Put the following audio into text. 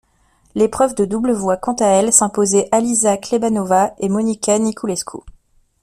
L'épreuve de double voit quant à elle s'imposer Alisa Kleybanova et Monica Niculescu.